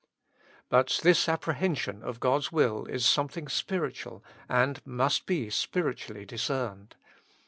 But this apprehension of God's will is something spiritual, and must be spiritually discerned.